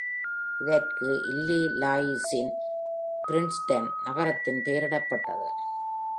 இதற்கு இல்லினாய்ஸின் பிரின்ஸ்டன் நகரத்தின் பெயரிடப்பட்டது.